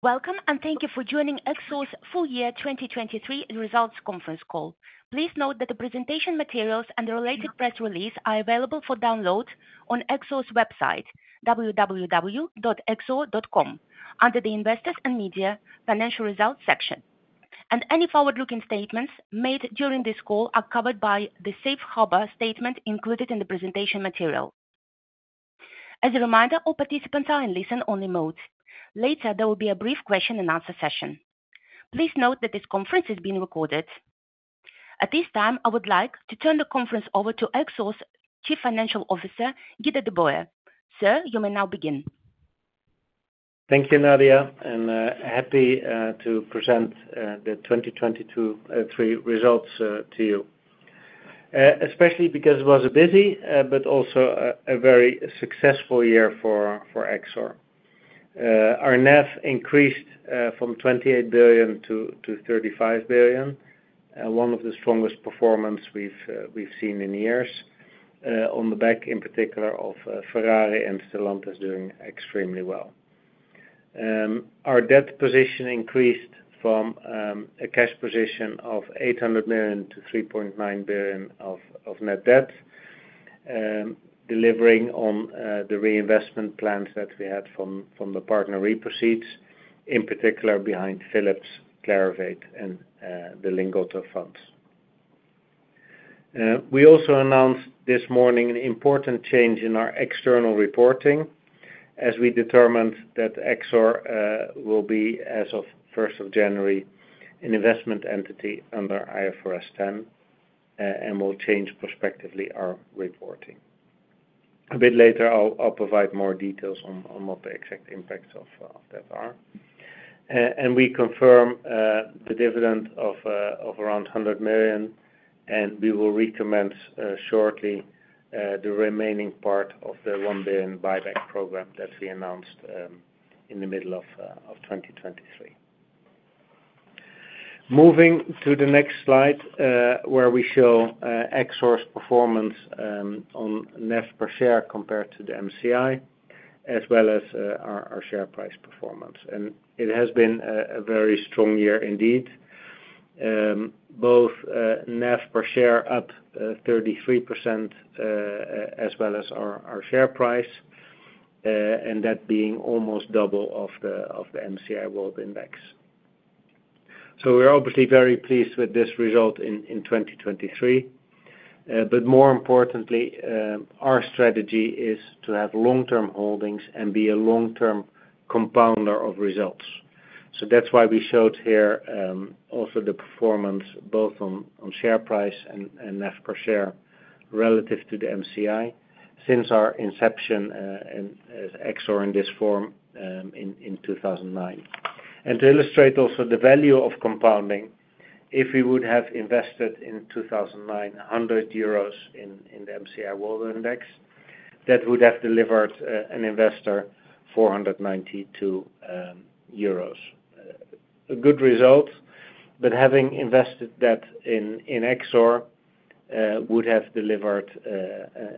Welcome and thank you for joining Exor's Full Year 2023 Results Conference Call. Please note that the presentation materials and the related press release are available for download on Exor's website, www.exor.com, under the Investors and Media Financial Results section. Any forward-looking statements made during this call are covered by the Safe Harbor statement included in the presentation material. As a reminder, all participants are in listen-only mode. Later there will be a brief question-and-answer session. Please note that this conference is being recorded. At this time, I would like to turn the conference over to Exor's Chief Financial Officer, Guido de Boer. Sir, you may now begin. Thank you, Nadia, and happy to present the 2023 results to you, especially because it was a busy but also a very successful year for Exor. Our NAV increased from 28 billion-35 billion, one of the strongest performances we've seen in years, on the back in particular of Ferrari and Stellantis doing extremely well. Our debt position increased from a cash position of 800 million-3.9 billion of net debt, delivering on the reinvestment plans that we had from the partner proceeds, in particular behind Philips, Clarivate, and the Lingotto funds. We also announced this morning an important change in our external reporting as we determined that Exor will be, as of 1st January, an investment entity under IFRS 10 and will change prospectively our reporting. A bit later I'll provide more details on what the exact impacts of that are. We confirm the dividend of around 100 million, and we will recommence shortly the remaining part of the 1 billion buyback program that we announced in the middle of 2023. Moving to the next slide where we show Exor's performance on NAV per share compared to the MSCI, as well as our share price performance. It has been a very strong year indeed, both NAV per share up 33% as well as our share price, and that being almost double of the MSCI World Index. So we're obviously very pleased with this result in 2023, but more importantly, our strategy is to have long-term holdings and be a long-term compounder of results. So that's why we showed here also the performance both on share price and NAV per share relative to the MSCI since our inception as Exor in this form in 2009. To illustrate also the value of compounding, if we would have invested in 2009 100 euros in the MSCI World Index, that would have delivered an investor 492 euros. A good result, but having invested that in Exor would have delivered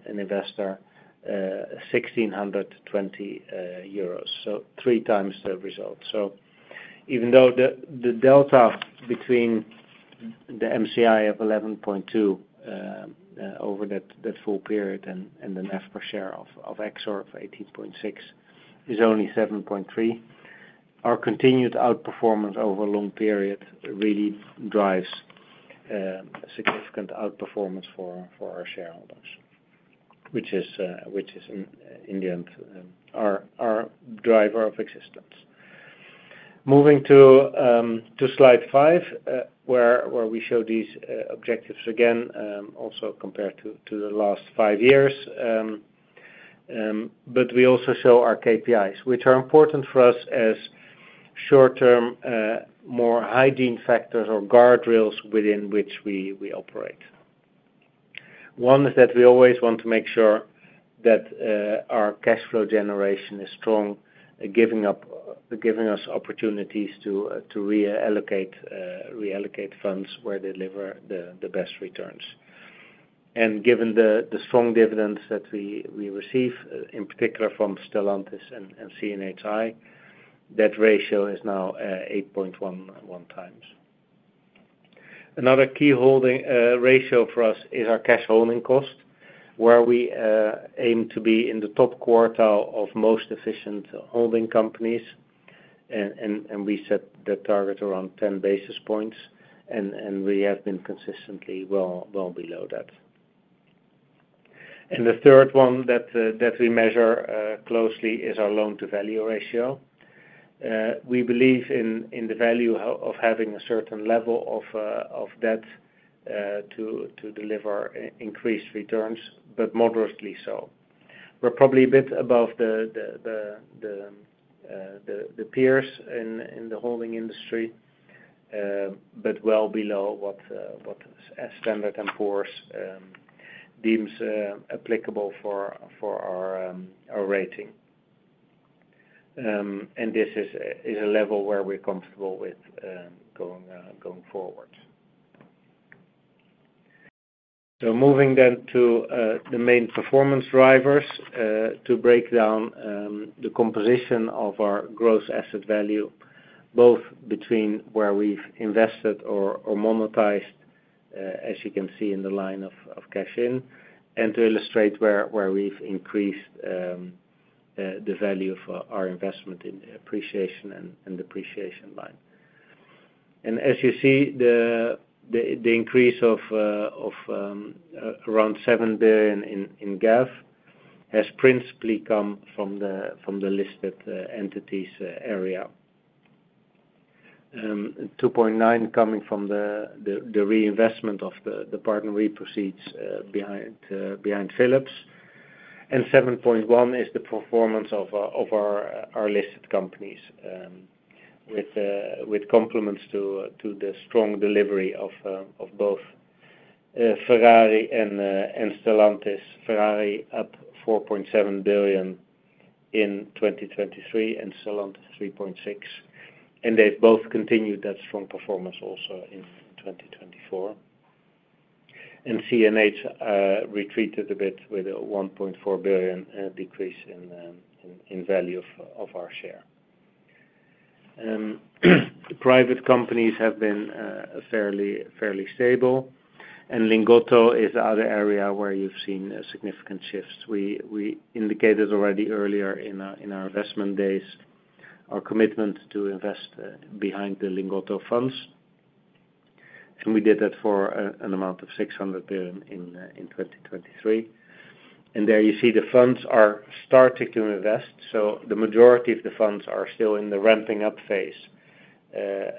an investor 1,620 euros, so three times the result. So even though the delta between the MSCI of 11.2 over that full period and the NAV per share of Exor of 18.6 is only 7.3, our continued outperformance over a long period really drives significant outperformance for our shareholders, which is in the end our driver of existence. Moving to slide 5 where we show these objectives again, also compared to the last 5 years, but we also show our KPIs, which are important for us as short-term more high-end factors or guardrails within which we operate. One is that we always want to make sure that our cash flow generation is strong, giving us opportunities to reallocate funds where they deliver the best returns. Given the strong dividends that we receive, in particular from Stellantis and CNHI, that ratio is now 8.1 times. Another key holding ratio for us is our cash holding cost, where we aim to be in the top quartile of most efficient holding companies, and we set that target around 10 basis points, and we have been consistently well below that. The third one that we measure closely is our loan-to-value ratio. We believe in the value of having a certain level of debt to deliver increased returns, but moderately so. We're probably a bit above the peers in the holding industry, but well below what Standard & Poor's deems applicable for our rating. This is a level where we're comfortable with going forward. Moving then to the main performance drivers to break down the composition of our gross asset value, both between where we've invested or monetized, as you can see in the line of cash in, and to illustrate where we've increased the value of our investment in the appreciation and depreciation line. As you see, the increase of around 7 billion in GAV has principally come from the listed entities area, EUR 2.9 billion coming from the reinvestment of the partner proceeds behind Philips, and 7.1 billion is the performance of our listed companies, with compliments to the strong delivery of both Ferrari and Stellantis. Ferrari up 4.7 billion in 2023 and Stellantis 3.6 billion, and they've both continued that strong performance also in 2024. CNH retreated a bit with a 1.4 billion decrease in value of our share. Private companies have been fairly stable, and Lingotto is the other area where you've seen significant shifts. We indicated already earlier in our investment days our commitment to invest behind the Lingotto funds, and we did that for an amount of 600 billion in 2023. And there you see the funds are starting to invest, so the majority of the funds are still in the ramping-up phase,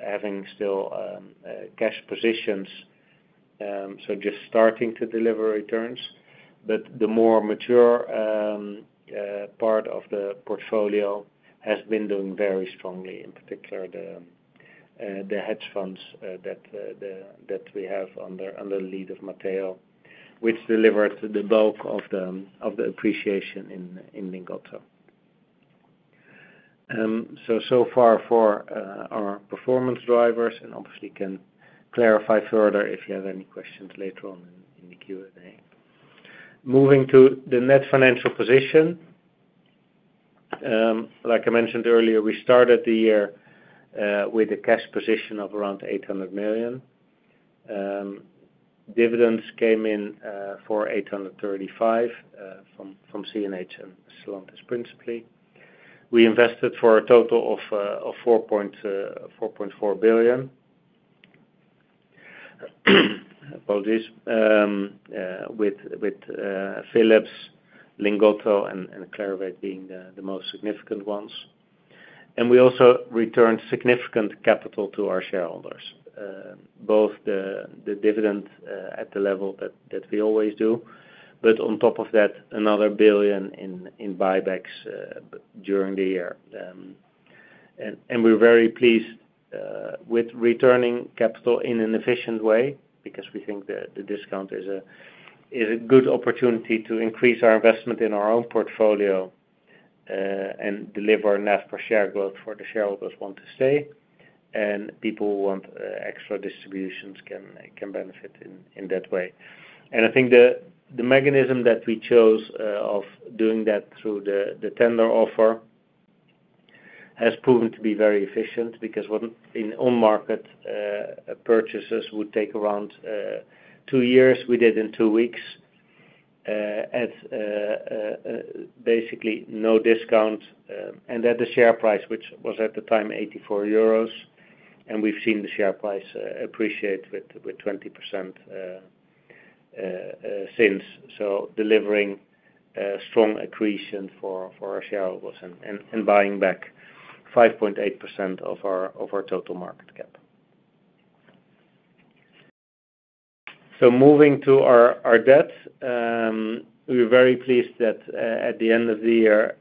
having still cash positions, so just starting to deliver returns. But the more mature part of the portfolio has been doing very strongly, in particular the hedge funds that we have under the lead of Matteo, which delivered the bulk of the appreciation in Lingotto. So far for our performance drivers, and obviously can clarify further if you have any questions later on in the Q&A. Moving to the net financial position, like I mentioned earlier, we started the year with a cash position of around 800 million. Dividends came in for 835 million from CNH and Stellantis principally. We invested for a total of 4.4 billion, with Philips, Lingotto, and Clarivate being the most significant ones. We also returned significant capital to our shareholders, both the dividend at the level that we always do, but on top of that another 1 billion in buybacks during the year. We're very pleased with returning capital in an efficient way because we think the discount is a good opportunity to increase our investment in our own portfolio and deliver NAV per share growth for the shareholders who want to stay, and people who want extra distributions can benefit in that way. I think the mechanism that we chose of doing that through the tender offer has proven to be very efficient because on-market purchases would take around 2 years, we did in 2 weeks at basically no discount, and at the share price, which was at the time 84 euros, and we've seen the share price appreciate with 20% since, so delivering strong accretion for our shareholders and buying back 5.8% of our total market cap. Moving to our debt, we're very pleased that at the end of the year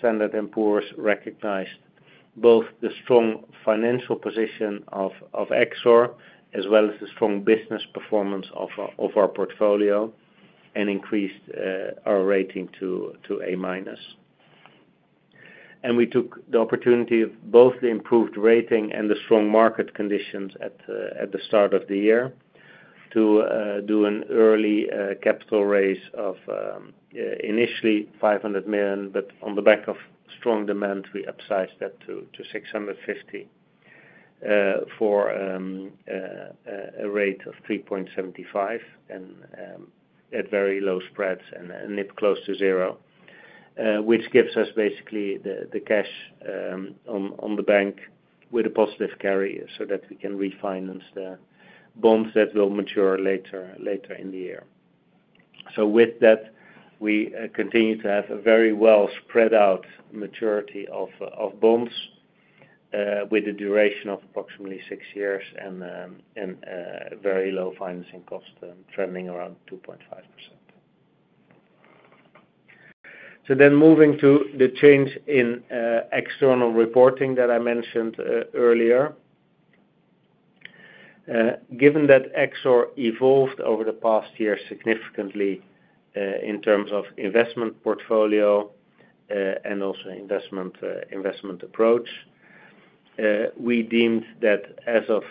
Standard & Poor's recognized both the strong financial position of Exor as well as the strong business performance of our portfolio and increased our rating to A-. We took the opportunity of both the improved rating and the strong market conditions at the start of the year to do an early capital raise of initially 500 million, but on the back of strong demand we upsized that to 650 million for a rate of 3.75 and at very low spreads and a NIP close to zero, which gives us basically the cash in the bank with a positive carry so that we can refinance the bonds that will mature later in the year. With that, we continue to have a very well spread out maturity of bonds with a duration of approximately six years and very low financing cost trending around 2.5%. So then moving to the change in external reporting that I mentioned earlier, given that Exor evolved over the past year significantly in terms of investment portfolio and also investment approach, we deemed that as of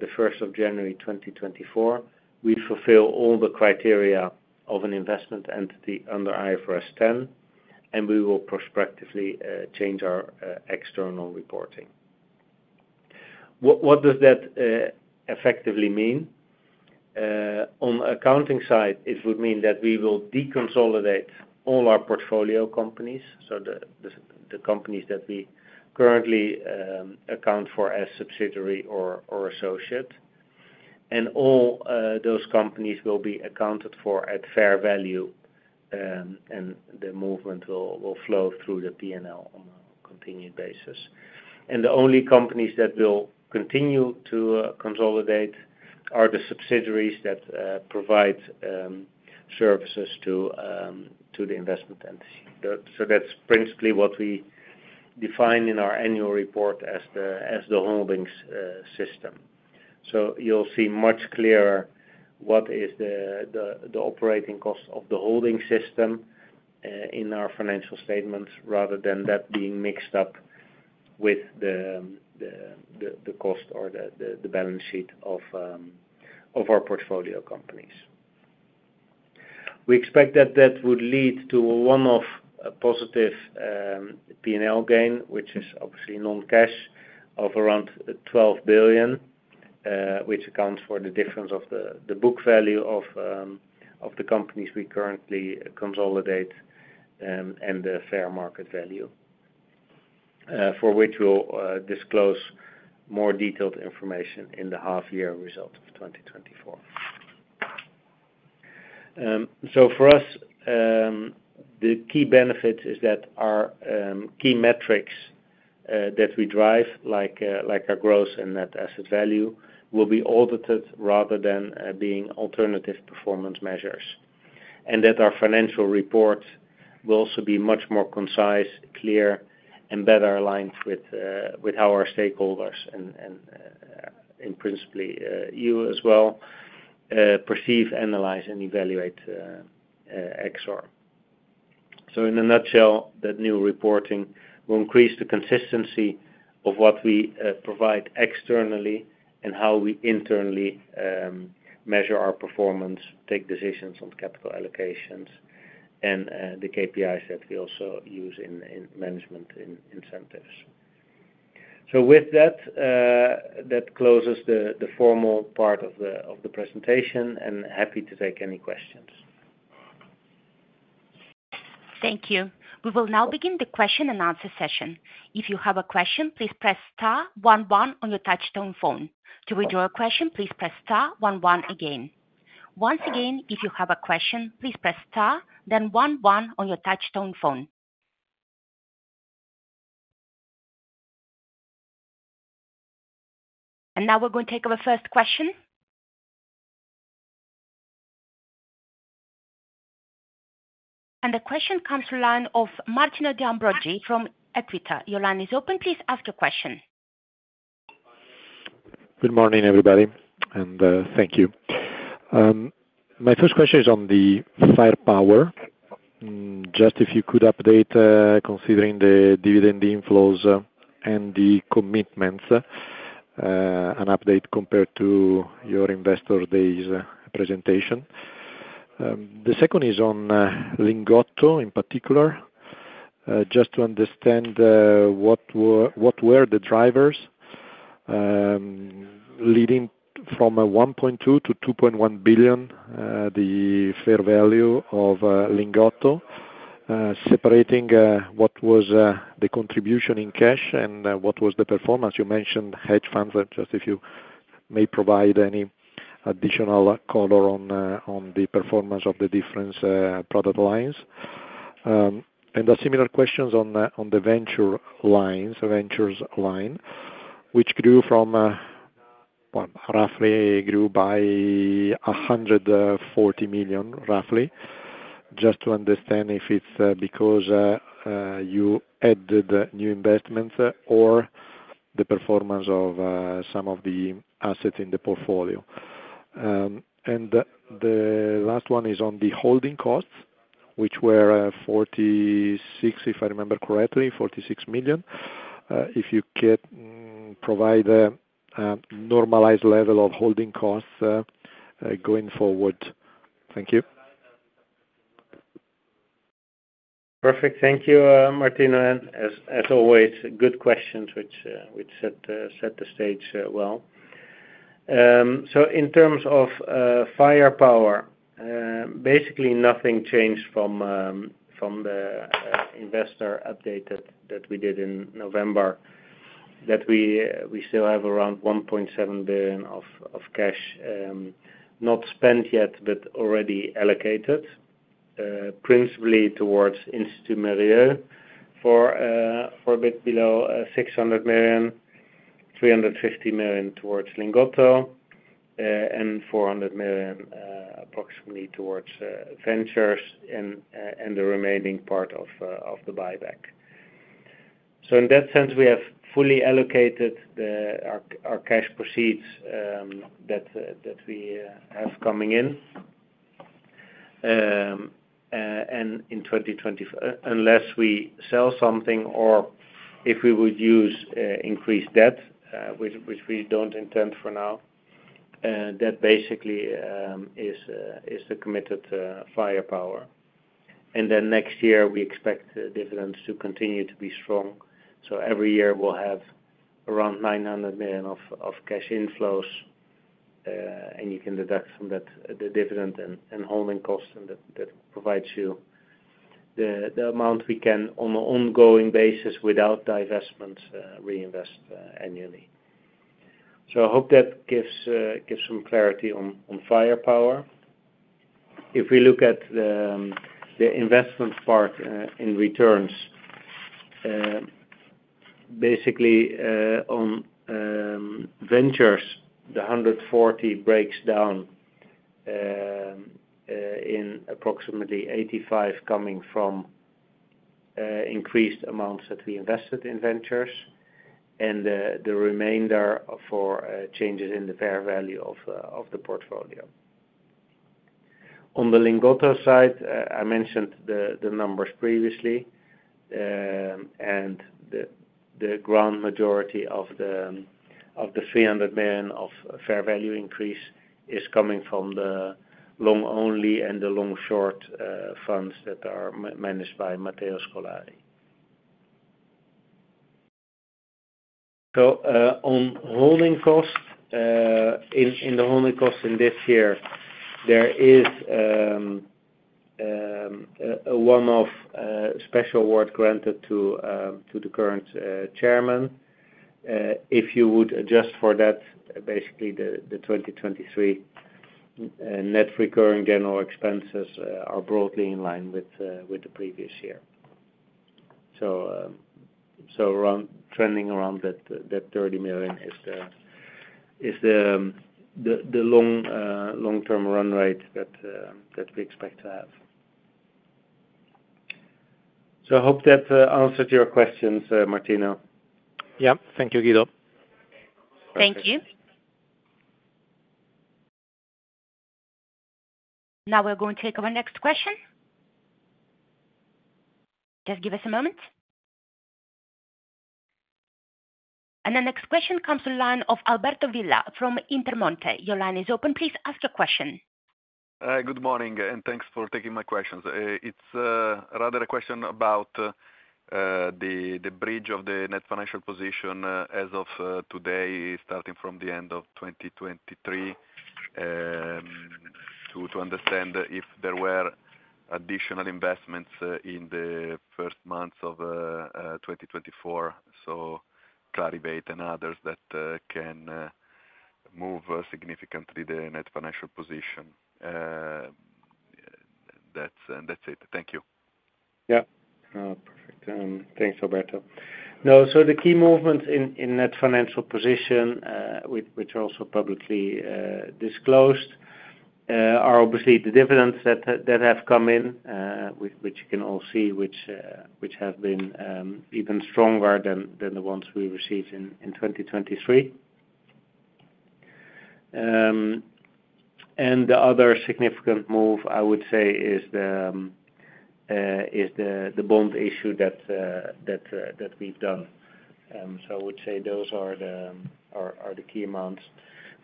the 1st of January 2024 we fulfill all the criteria of an investment entity under IFRS 10, and we will prospectively change our external reporting. What does that effectively mean? On the accounting side it would mean that we will deconsolidate all our portfolio companies, so the companies that we currently account for as subsidiary or associate, and all those companies will be accounted for at fair value and the movement will flow through the P&L on a continued basis. And the only companies that will continue to consolidate are the subsidiaries that provide services to the investment entity. So that's principally what we define in our annual report as the holdings system. So you'll see much clearer what is the operating cost of the holding system in our financial statements rather than that being mixed up with the cost or the balance sheet of our portfolio companies. We expect that that would lead to one-off positive P&L gain, which is obviously non-cash, of around 12 billion, which accounts for the difference of the book value of the companies we currently consolidate and the fair market value, for which we'll disclose more detailed information in the half-year result of 2024. So for us, the key benefit is that our key metrics that we drive, like our gross and net asset value, will be audited rather than being alternative performance measures, and that our financial reports will also be much more concise, clear, and better aligned with how our stakeholders and, principally, you as well perceive, analyze, and evaluate Exor. So in a nutshell, that new reporting will increase the consistency of what we provide externally and how we internally measure our performance, take decisions on capital allocations, and the KPIs that we also use in management incentives. So with that, that closes the formal part of the presentation, and happy to take any questions. Thank you. We will now begin the question and answer session. If you have a question, please press star one one on your touch-tone phone. To withdraw a question, please press star one one again. Once again, if you have a question, please press star, then one one on your touch-tone phone. Now we're going to take our first question. The question comes from Martino De Ambroggi from Equita. Your line is open. Please ask your question. Good morning, everybody, and thank you. My first question is on the firepower, just if you could update, considering the dividend inflows and the commitments, an update compared to your investor day's presentation. The second is on Lingotto in particular, just to understand what were the drivers leading from 1.2 billion-2.1 billion, the fair value of Lingotto, separating what was the contribution in cash and what was the performance. You mentioned hedge funds, just if you may provide any additional color on the performance of the different product lines. A similar question on the venture lines, a ventures line, which grew from roughly grew by 140 million, roughly, just to understand if it's because you added new investments or the performance of some of the assets in the portfolio. The last one is on the holding costs, which were 46, if I remember correctly, 46 million, if you provide a normalized level of holding costs going forward. Thank you. Perfect. Thank you, Martino. And as always, good questions, which set the stage well. So in terms of firepower, basically nothing changed from the investor update that we did in November. That we still have around 1.7 billion of cash, not spent yet but already allocated, principally towards Institut Mérieux for a bit below 600 million, 350 million towards Lingotto, and approximately 400 million towards ventures and the remaining part of the buyback. So in that sense, we have fully allocated our cash proceeds that we have coming in, unless we sell something or if we would use increased debt, which we don't intend for now, that basically is the committed firepower. Then next year we expect dividends to continue to be strong, so every year we'll have around 900 million of cash inflows, and you can deduct from that the dividend and holding costs, and that provides you the amount we can on an ongoing basis without divestments reinvest annually. I hope that gives some clarity on firepower. If we look at the investment part in returns, basically on ventures, the 140 million breaks down in approximately 85 million coming from increased amounts that we invested in ventures, and the remainder for changes in the fair value of the portfolio. On the Lingotto side, I mentioned the numbers previously, and the grand majority of the 300 million of fair value increase is coming from the long-only and the long-short funds that are managed by Matteo Scolari. On holding costs, in the holding costs in this year, there is a one-off special award granted to the current chairman. If you would adjust for that, basically the 2023 net recurring general expenses are broadly in line with the previous year. Trending around that 30 million is the long-term run rate that we expect to have. I hope that answered your questions, Martino. Yep. Thank you, Guido. Thank you. Now we're going to take our next question. Just give us a moment. And the next question comes from Alberto Villa from Intermonte. Your line is open. Please ask your question. Good morning, and thanks for taking my questions. It's rather a question about the bridge of the net financial position as of today, starting from the end of 2023, to understand if there were additional investments in the first months of 2024, so Clarivate and others that can move significantly the net financial position. That's it. Thank you. Yep. Perfect. Thanks, Alberto. No, so the key movements in net financial position, which are also publicly disclosed, are obviously the dividends that have come in, which you can all see, which have been even stronger than the ones we received in 2023. And the other significant move, I would say, is the bond issue that we've done. So I would say those are the key amounts.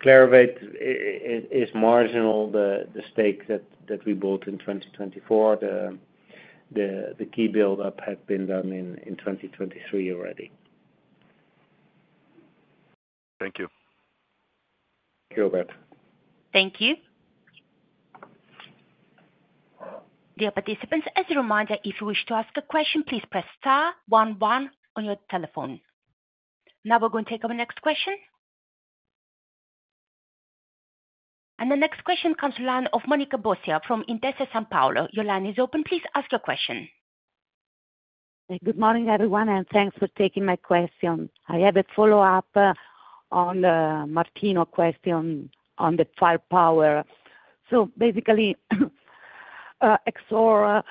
Clarivate is marginal, the stake that we bought in 2024. The key buildup had been done in 2023 already. Thank you. Thank you, Alberto. Thank you. Dear participants, as a reminder, if you wish to ask a question, please press star one one on your telephone. Now we're going to take over next question. The next question comes online of Monica Bosia from Intesa Sanpaolo. Your line is open. Please ask your question. Good morning, everyone, and thanks for taking my question. I have a follow-up on Martino's question on the firepower. So basically, Exor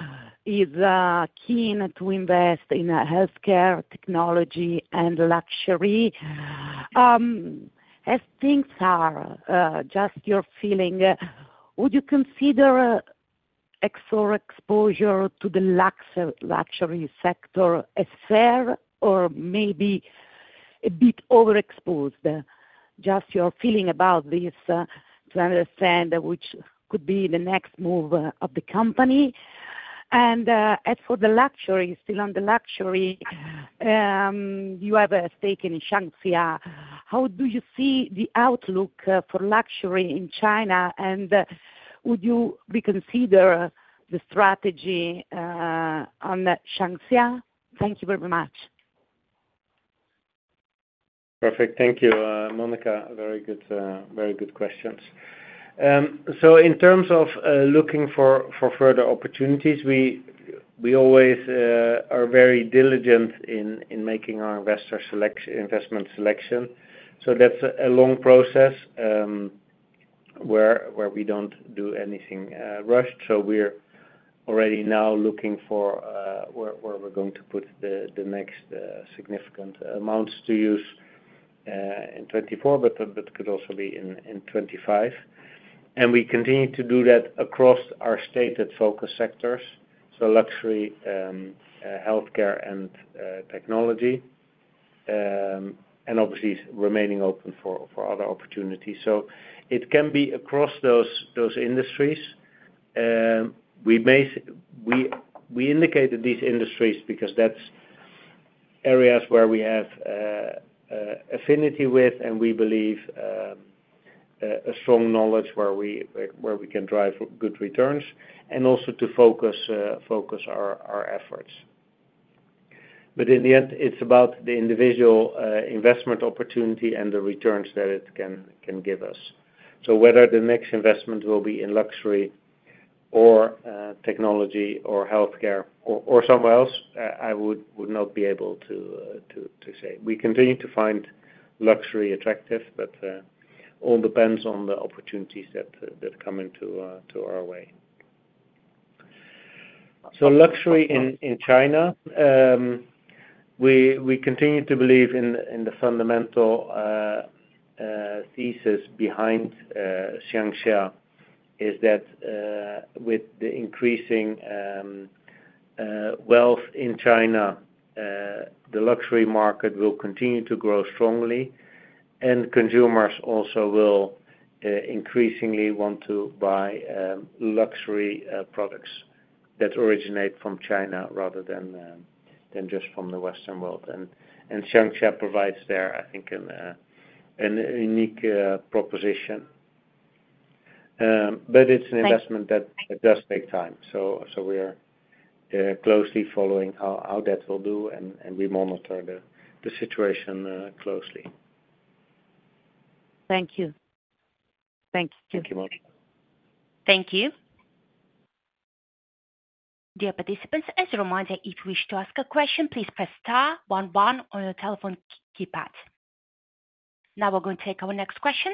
is keen to invest in healthcare, technology, and luxury. As things are, just your feeling, would you consider Exor exposure to the luxury sector as fair or maybe a bit overexposed? Just your feeling about this to understand which could be the next move of the company. And as for the luxury, still on the luxury, you have a stake in SHANG XIA. How do you see the outlook for luxury in China? And would you reconsider the strategy on SHANG XIA? Thank you very much. Perfect. Thank you, Monica. Very good questions. So in terms of looking for further opportunities, we always are very diligent in making our investment selection. So that's a long process where we don't do anything rushed. So we're already now looking for where we're going to put the next significant amounts to use in 2024, but could also be in 2025. And we continue to do that across our stated focus sectors, so luxury, healthcare, and technology, and obviously remaining open for other opportunities. So it can be across those industries. We indicated these industries because that's areas where we have affinity with and we believe a strong knowledge where we can drive good returns, and also to focus our efforts. But in the end, it's about the individual investment opportunity and the returns that it can give us. So whether the next investment will be in luxury or technology or healthcare or somewhere else, I would not be able to say. We continue to find luxury attractive, but it all depends on the opportunities that come into our way. So luxury in China, we continue to believe in the fundamental thesis behind SHANG XIA is that with the increasing wealth in China, the luxury market will continue to grow strongly, and consumers also will increasingly want to buy luxury products that originate from China rather than just from the Western world. And SHANG XIA provides there, I think, a unique proposition. But it's an investment that does take time. So we're closely following how that will do, and we monitor the situation closely. Thank you. Thank you. Thank you, Monica. Thank you. Dear participants, as a reminder, if you wish to ask a question, please press star one one on your telephone keypad. Now we're going to take over next question.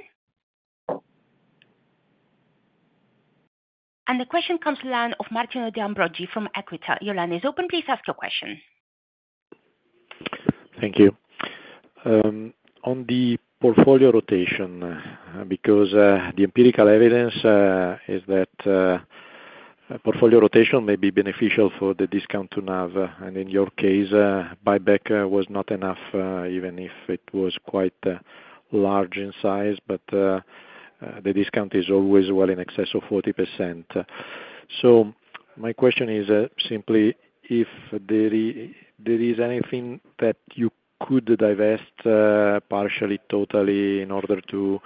The question comes online of Martino De Ambroggi from Equita. Your line is open. Please ask your question. Thank you. On the portfolio rotation, because the empirical evidence is that portfolio rotation may be beneficial for the discount to NAV. And in your case, buyback was not enough, even if it was quite large in size, but the discount is always, well, in excess of 40%. So my question is simply if there is anything that you could divest partially, totally, in order to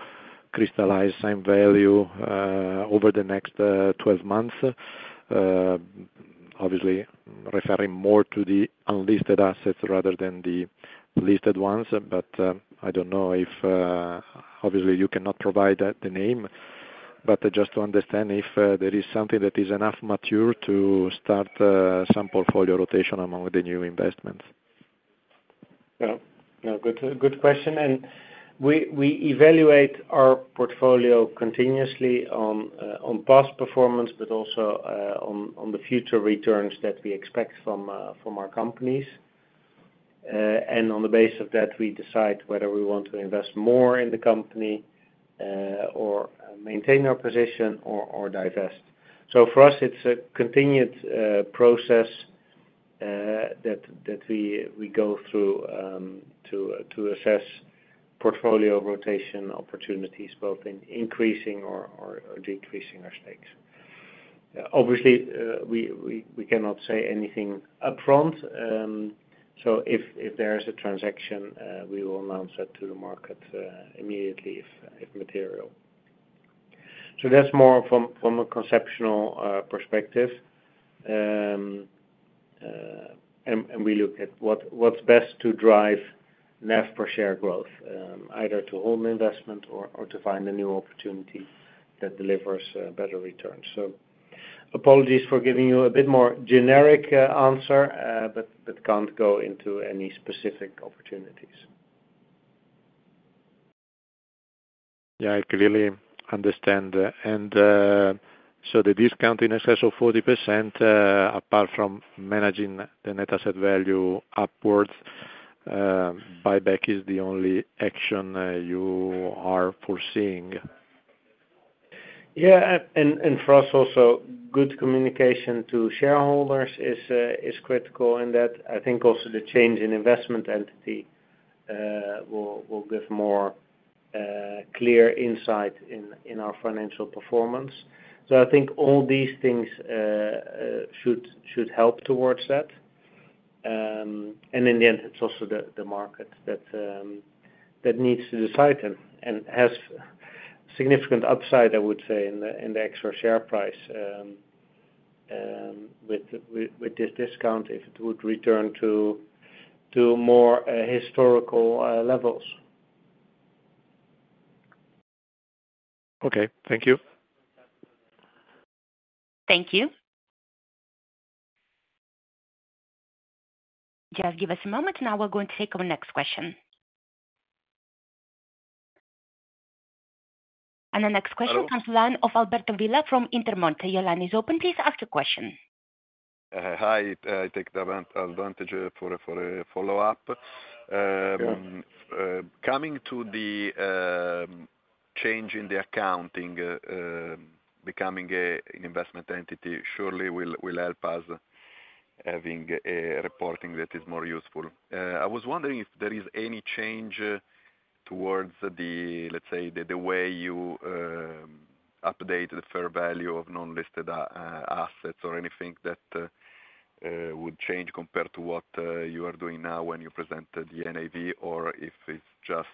crystallize some value over the next 12 months, obviously referring more to the unlisted assets rather than the listed ones. But I don't know if obviously, you cannot provide the name, but just to understand if there is something that is enough mature to start some portfolio rotation among the new investments. No. No. Good question. And we evaluate our portfolio continuously on past performance, but also on the future returns that we expect from our companies. And on the basis of that, we decide whether we want to invest more in the company or maintain our position or divest. So for us, it's a continued process that we go through to assess portfolio rotation opportunities, both in increasing or decreasing our stakes. Obviously, we cannot say anything upfront. So if there is a transaction, we will announce that to the market immediately if material. So that's more from a conceptual perspective. And we look at what's best to drive NAV per share growth, either to hold an investment or to find a new opportunity that delivers better returns. So apologies for giving you a bit more generic answer, but can't go into any specific opportunities. Yeah. I clearly understand. And so the discount in excess of 40%, apart from managing the net asset value upwards, buyback is the only action you are foreseeing. Yeah. And for us also, good communication to shareholders is critical in that I think also the change in investment entity will give more clear insight in our financial performance. So I think all these things should help towards that. And in the end, it's also the market that needs to decide and has significant upside, I would say, in the Exor share price with this discount if it would return to more historical levels. Okay. Thank you. Thank you. Just give us a moment. Now we're going to take over next question. The next question comes online of Alberto Villa from Intermonte. Your line is open. Please ask your question. Hi. I take the advantage for a follow-up. Coming to the change in the accounting, becoming an investment entity, surely will help us having a reporting that is more useful. I was wondering if there is any change towards the, let's say, the way you update the fair value of non-listed assets or anything that would change compared to what you are doing now when you present the NAV, or if it's just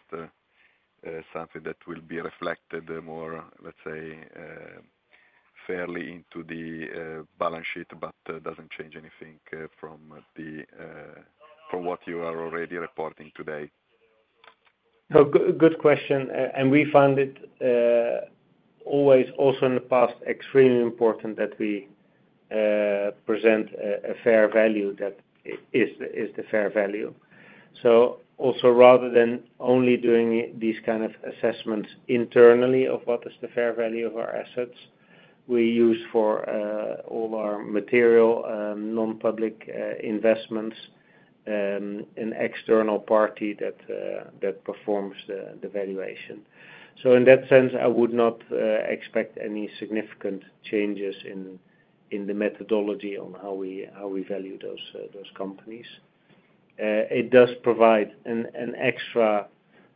something that will be reflected more, let's say, fairly into the balance sheet but doesn't change anything from what you are already reporting today. No. Good question. We found it always, also in the past, extremely important that we present a fair value that is the fair value. So also rather than only doing these kind of assessments internally of what is the fair value of our assets, we use for all our material non-public investments an external party that performs the valuation. So in that sense, I would not expect any significant changes in the methodology on how we value those companies. It does provide an extra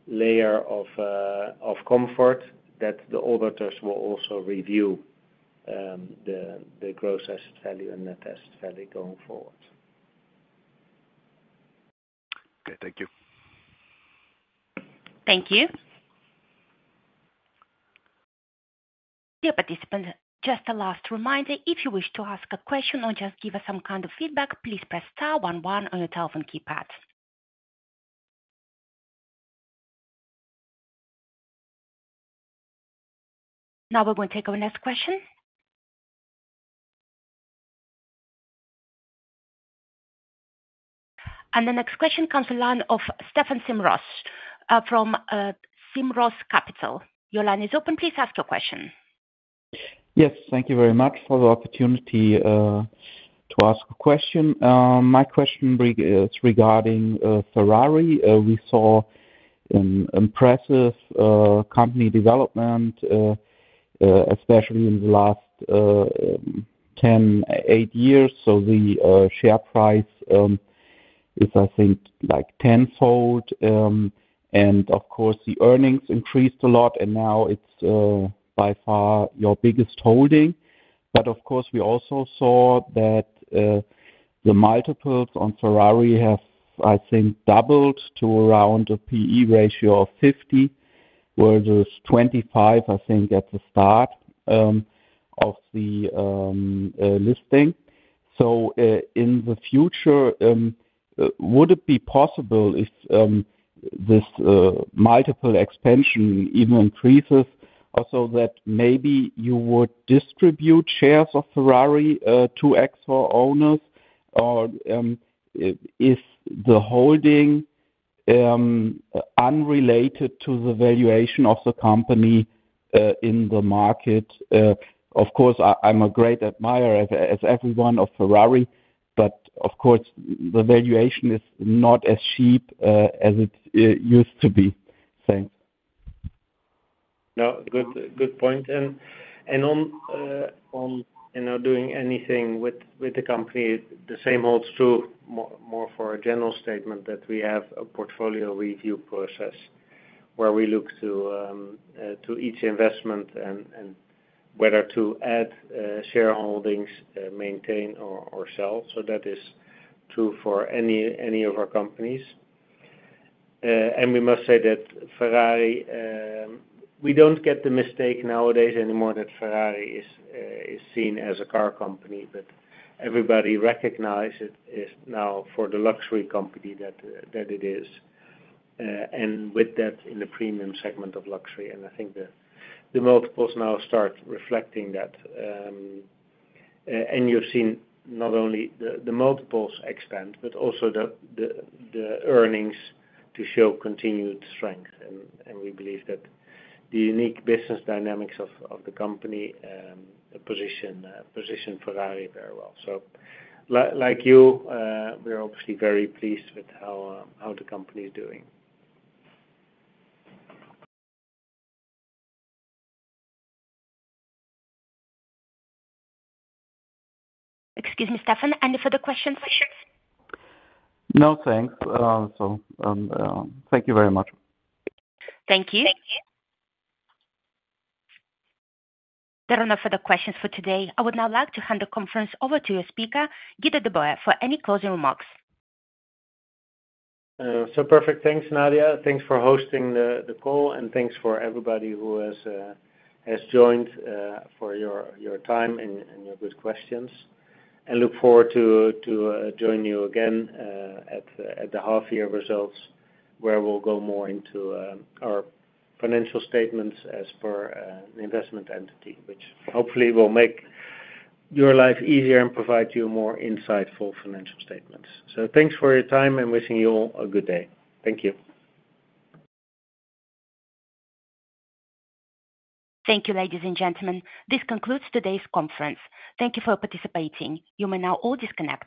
layer of comfort that the auditors will also review, the gross asset value and net asset value, going forward. Okay. Thank you. Thank you. Dear participants, just a last reminder. If you wish to ask a question or just give us some kind of feedback, please press star one one on your telephone keypad. Now we're going to take over next question. The next question comes online of Stephan Simmross from Simmross Capital. Your line is open. Please ask your question. Yes. Thank you very much for the opportunity to ask a question. My question is regarding Ferrari. We saw impressive company development, especially in the last 10, 8 years. So the share price is, I think, like tenfold. And of course, the earnings increased a lot, and now it's by far your biggest holding. But of course, we also saw that the multiples on Ferrari have, I think, doubled to around a P/E ratio of 50, where there's 25, I think, at the start of the listing. So in the future, would it be possible if this multiple expansion even increases, also that maybe you would distribute shares of Ferrari to Exor owners, or is the holding unrelated to the valuation of the company in the market? Of course, I'm a great admirer, as everyone, of Ferrari, but of course, the valuation is not as cheap as it used to be. Thanks. No. Good point. And not doing anything with the company, the same holds true more for a general statement that we have a portfolio review process where we look to each investment and whether to add shareholdings, maintain, or sell. So that is true for any of our companies. And we must say that, Ferrari, we don't get the mistake nowadays anymore that Ferrari is seen as a car company, but everybody recognizes it now for the luxury company that it is, and with that, in the premium segment of luxury. And I think the multiples now start reflecting that. And you've seen not only the multiples expand, but also the earnings to show continued strength. And we believe that the unique business dynamics of the company position Ferrari very well. So like you, we're obviously very pleased with how the company is doing. Excuse me, Stefan. Any further questions? No. Thanks. So thank you very much. Thank you. There are no further questions for today. I would now like to hand the conference over to your speaker, Guido de Boer, for any closing remarks. So, perfect. Thanks, Nadia. Thanks for hosting the call, and thanks for everybody who has joined for your time and your good questions. Look forward to joining you again at the half-year results, where we'll go more into our financial statements as per an investment entity, which hopefully will make your life easier and provide you more insightful financial statements. Thanks for your time, and wishing you all a good day. Thank you. Thank you, ladies and gentlemen. This concludes today's conference. Thank you for participating. You may now all disconnect.